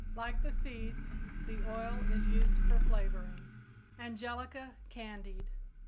Like the seeds, the oil is used for flavoring. _Angelica candied.